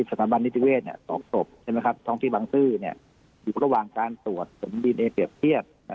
ที่สถานบันนิตยุเวศน์ต้องศพใช่ไหมครับท้องพี่บังซึอยู่ระหว่างการตรวจสมบินในเปรียบเทียบ